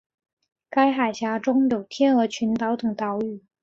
该海峡中有天鹅群岛等岛屿。